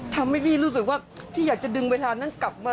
ทำให้พี่รู้สึกว่าพี่อยากจะดึงเวลานั้นกลับมา